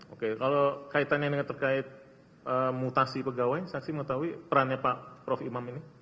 oke kalau kaitannya dengan terkait mutasi pegawai saksi mengetahui perannya pak prof imam ini